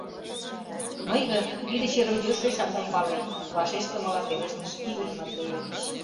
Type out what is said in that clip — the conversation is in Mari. Мый гын, тиде черым йӧршешак ом пале, — вашештымыла пелештыш Игорь Матвеевич.